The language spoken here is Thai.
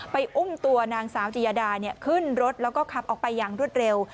อุ้มตัวนางสาวจิยาดาขึ้นรถแล้วก็ขับออกไปอย่างรวดเร็ว